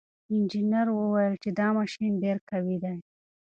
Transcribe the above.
هغه انجنیر وویل چې دا ماشین ډېر قوي دی.